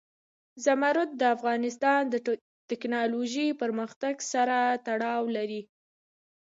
زمرد د افغانستان د تکنالوژۍ پرمختګ سره تړاو لري.